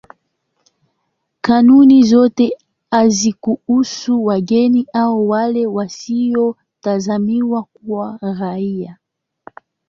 Kanuni zote hazikuhusu wageni au wale wasiotazamiwa kuwa raia.